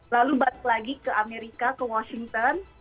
lalu balik lagi ke amerika ke washington